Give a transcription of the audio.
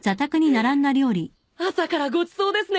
朝からごちそうですね！